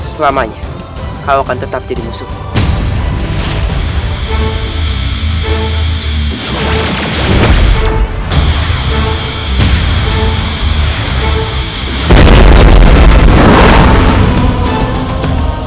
selamanya kau akan tetap jadi musuh